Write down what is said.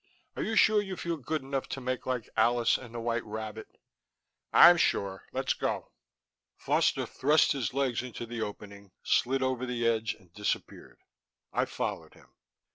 Are you sure you feel good enough to make like Alice and the White Rabbit?" "I'm sure. Let's go." Foster thrust his legs into the opening, slid over the edge and disappeared. I followed him.